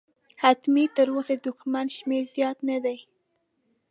حتمي، تراوسه د دښمن شمېر زیات نه دی.